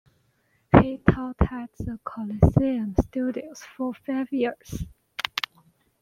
He taught at the Coliseum Studios for five years.